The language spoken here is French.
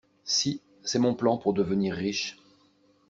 Si, c'est mon plan pour devenir riche.